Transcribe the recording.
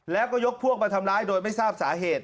แล้วก็ยกพวกมาทำร้ายโดยไม่ทราบสาเหตุ